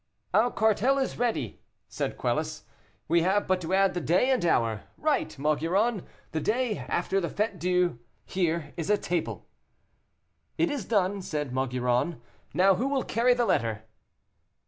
"Our cartel is ready," said Quelus, "we have but to add the day and hour. Write, Maugiron, the day after the Fête Dieu. Here is a table." "It is done," said Maugiron, "now who will carry the letter?"